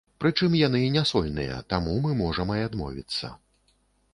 Прычым яны не сольныя, таму мы можам і адмовіцца.